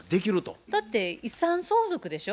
だって遺産相続でしょ？